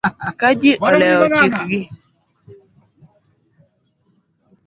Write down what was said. Ka ji oluwo chikeg